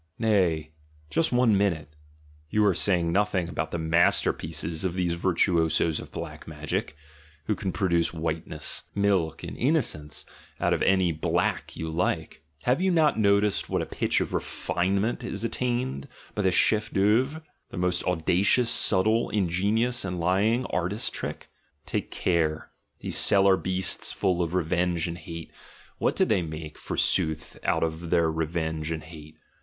Nay. Just one minute! You are saying nothing about the masterpieces of these virtuosos of black magic, who can produce whiteness, milk, and innocence out of any black you like: have you not noticed what a pitch of refinement is attained by their chef d'ceuvre, their most audacious, subtle, ingenious, and lying artist trick? Take care! These cellar beasts, full of revenge and hate — what do they make, forsooth, out of their revenge and hate?